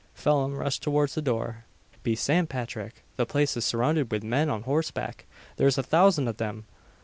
Phelim rushed towards the door. "Be Sant Pathrick! the place is surrounded wid men on horseback. Thare's a thousand av them!